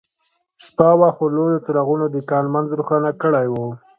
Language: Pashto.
شپه وه خو لویو څراغونو د کان منځ روښانه کړی و